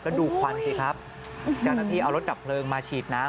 แล้วดูควันสิครับจากแนะนำที่เอารถดับเผลิงมาฉีดน้ำ